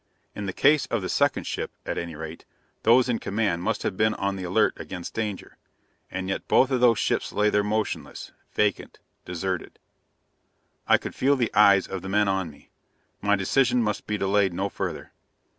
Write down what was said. In the case of the second ship, at any rate, those in command must have been on the alert against danger. And yet both of those ships lay there motionless, vacant, deserted. I could feel the eyes of the men on me. My decision must be delayed no further.